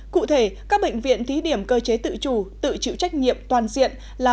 cụ thể các bệnh viện thí điểm cơ chế tự chủ tự chịu trách nhiệm toàn diện là